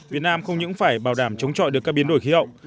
việt nam không những phải bảo đảm chống chọi được các biến đổi khí hậu